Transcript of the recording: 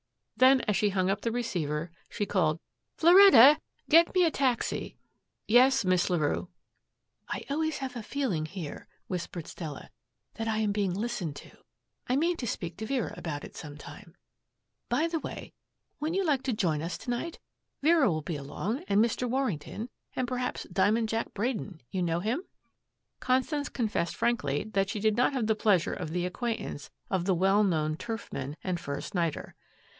'" Then as she hung up the receiver she called, "Floretta, get me a taxi." "Yes, Miss Larue." "I always have a feeling here," whispered Stella, "that I am being listened to. I mean to speak to Vera about it some time. By the way, wouldn't you like to join us to night? Vera will be along and Mr. Warrington and perhaps 'Diamond Jack' Braden you know him?" Constance confessed frankly that she did not have the pleasure of the acquaintance of the well known turfman and first nighter.